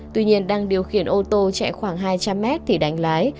tuy nhiên đang điều khiển ô tô chạy khoảng hai trăm linh mét thì đánh lái